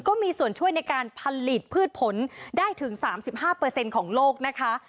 ก็มีส่วนช่วยในการผลิตพืชผลได้ถึง๓๕ของโลกนะคะ